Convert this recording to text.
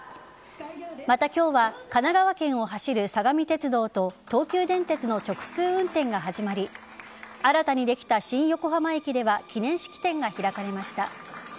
また、今日は神奈川県を走る相模鉄道と東急電鉄の直通運転が始まり新たにできた新横浜駅では記念式典が開かれました。